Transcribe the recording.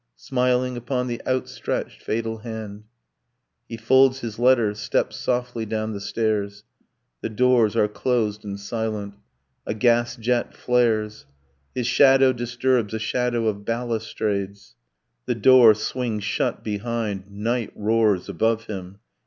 Smiling upon the outstretched fatal hand ...' He folds his letter, steps softly down the stairs. The doors are closed and silent. A gas jet flares. His shadow disturbs a shadow of balustrades. The door swings shut behind. Night roars above him.